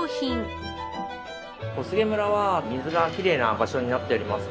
小菅村は水がきれいな場所になっております。